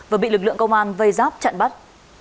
và bị lực lượng công an vây giáp chặn bắt